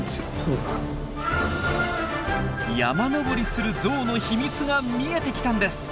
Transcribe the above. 山登りするゾウの秘密が見えてきたんです。